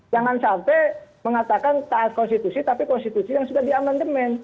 jangan sampai mengatakan taat konstitusi tapi konstitusi yang sudah diamandemen